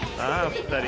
２人。